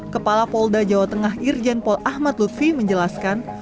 kepala polda jawa tengah irjen pol ahmad lutfi menjelaskan